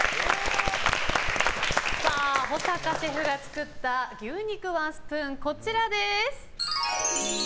保坂シェフが作った牛肉ワンスプーン、こちらです。